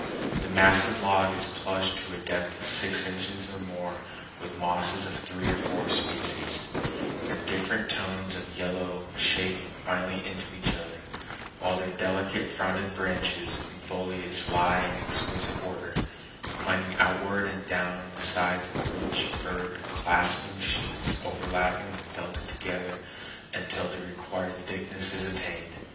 The massive log is plushed to a depth of six inches or more with mosses of three or four species, their different tones of yellow shading finely into each other, while their delicate fronded branches and foliage lie in exquisite order, inclining outward and down the sides in rich, furred, clasping sheets overlapping and felted together until the required thickness is attained.